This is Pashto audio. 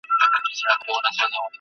¬ پاړوگر د مار له لاسه مري.